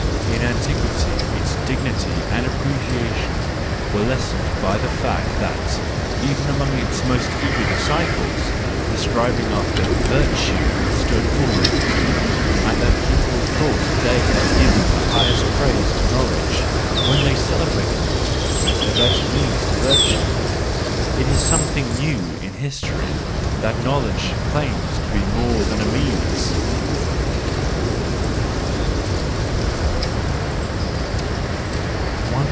In antiquity its dignity and appreciation were lessened by the fact that, even among its most eager disciples, the striving after virtue stood foremost, and that people thought they had given the highest praise to knowledge when they celebrated it as the best means to virtue. It is something new in history that knowledge claims to be more than a means.